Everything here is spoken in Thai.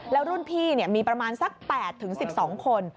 แล้วรุ่นพี่มีประมาณสัก๘๑๒คน